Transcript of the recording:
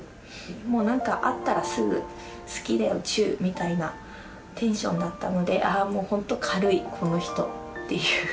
もう何か会ったらすぐ好きだよチューみたいなテンションだったので「あもう本当軽いこの人」っていう。